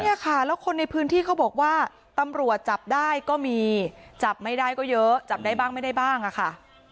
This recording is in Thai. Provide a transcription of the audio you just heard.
เนี่ยค่ะแล้วคนในพื้นที่เขาบอกว่าตำรวจจับได้ก็มีจับไม่ได้ก็เยอะจับได้บ้างไม่ได้บ้างอะค่ะ